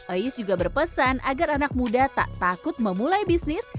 ais juga berpesan agar anak muda tak takut memulai bisnis